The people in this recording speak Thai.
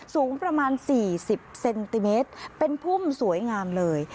สูงประมาณ๔๐เซนติเมตรเป็นพุ่มสวยงามเลย